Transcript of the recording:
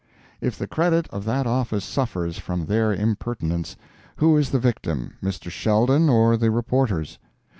If the credit of that office suffers from their impertinence, who is the victim, Mr. Sheldon or the reporters?